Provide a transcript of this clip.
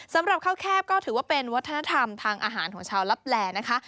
สำหรับข้าวแคบก็ถือว่าเป็นวัฒนธรรมทางอาหารของชาวลับแลนะคะ